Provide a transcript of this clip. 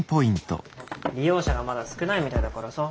利用者がまだ少ないみたいだからさ。